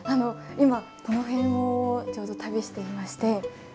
今この辺をちょうど旅していまして。